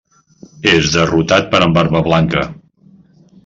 És derrotat per en Barbablanca.